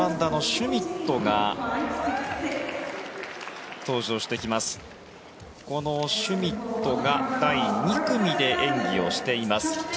シュミットが第２組で演技をしています。